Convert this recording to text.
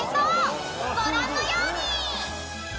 ［ご覧のように］